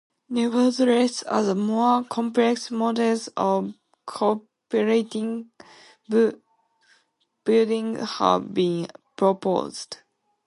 Nevertheless, other, more complex models of cooperative binding have been proposed.